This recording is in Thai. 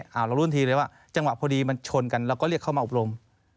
เรารู้ทันทีเลยว่าจังหวะพอดีมันชนกันเราก็เรียกเข้ามาอบรม